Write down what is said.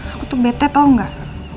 aku tuh bete tau gak